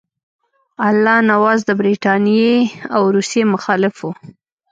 الله نواز د برټانیې او روسیې مخالف وو.